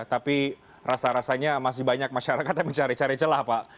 tapi rasa rasanya masih banyak masyarakat yang mencari cari celah pak